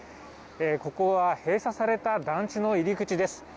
ここは閉鎖された団地の入り口です。